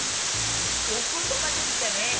お言葉ですがね